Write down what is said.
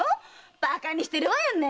バカにしてるわよね！